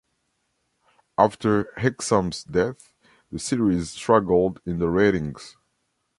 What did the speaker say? After Hexum's death, the series struggled in the ratings.